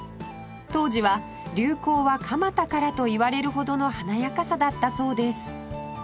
当時は「流行は蒲田から」といわれるほどの華やかさだったそうです